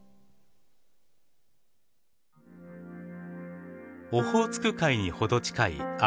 オホーツク海に程近い網走湖。